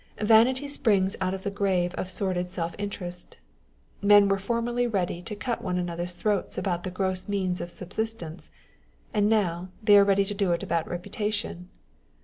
Vanity springs out of the grave of sordid self interest. Men were formerly ready to. cut one another's throats about the gross means of subsistence, and now they are ready to do it about reputation.